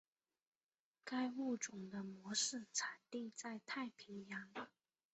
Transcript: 该物种的模式产地在太平洋。